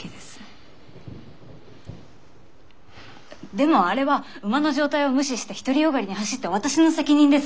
でもあれは馬の状態を無視して独り善がりに走った私の責任です。